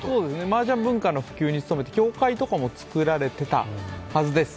マージャン文化の普及に努めて協会とかも作られていたはずです。